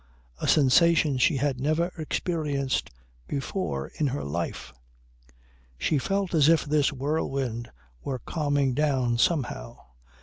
A sensation she had never experienced before in her life. She felt as if this whirlwind were calming down somehow!